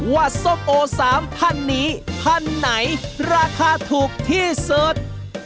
วันนี้พันธุ์ไหนราคาถูกที่เสิร์ฟ